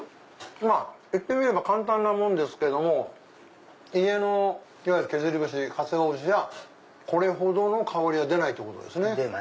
言ってみれば簡単なもんですけども家のいわゆる削り節かつお節じゃこれほどの香りは出ないですね。